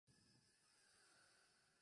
Aunque el grupo no sea Straight Edge.